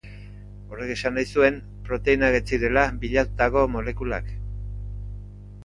Horrek esan nahi zuen proteinak ez zirela bilatutako molekulak.